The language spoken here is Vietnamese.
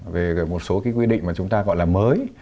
về một số cái quy định mà chúng ta gọi là mới